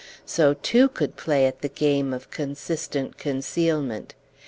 So two could play at the game of consistent concealment!